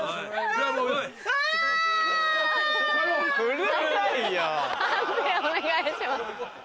判定お願いします。